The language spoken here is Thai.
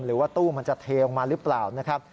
หรือว่าตู้มันจะเทลงมาหรือเปล่านะครับ